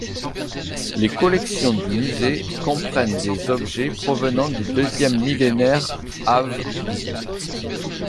Les collections du musée comprennent des objets provenant du deuxième millénaire av.